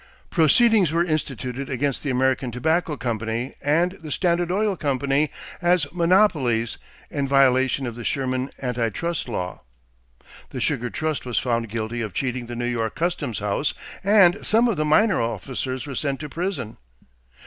Proceedings were instituted against the American Tobacco Company and the Standard Oil Company as monopolies in violation of the Sherman Anti Trust law. The Sugar Trust was found guilty of cheating the New York customs house and some of the minor officers were sent to prison.